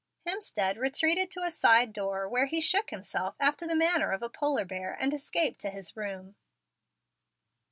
Hemstead retreated to a side door, where he shook himself after the manner of a polar bear, and escaped to his room.